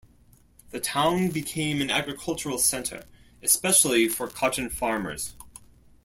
The town became an agricultural center, especially for cotton farmers.